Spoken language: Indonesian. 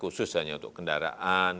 khusus hanya untuk kendaraan